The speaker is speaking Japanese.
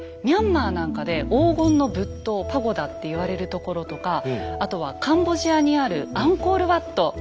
ミャンマーなんかで黄金の仏塔パゴダって言われるところとかあとはカンボジアにあるアンコールワット。